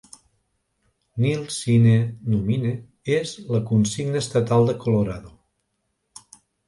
"Nil sine numine" és la consigna estatal de Colorado.